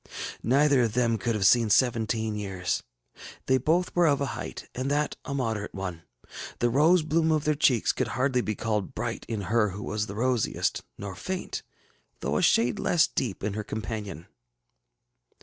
Neither of them could have seen seventeen years. They both were of a height, and that a moderate one. The rose bloom of their cheeks could hardly be called bright in her who was the rosiest, nor faint, though a shade less deep, in her companion.